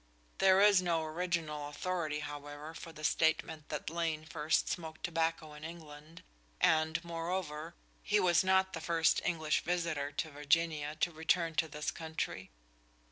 There is no original authority, however, for the statement that Lane first smoked tobacco in England, and, moreover, he was not the first English visitor to Virginia to return to this country.